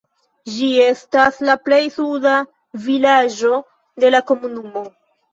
Ĝi estas la plej suda vilaĝo de la komunumo.